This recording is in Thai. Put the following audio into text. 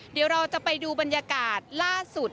เดี๋ยวเราจะไปดูบรรยากาศล่าสุด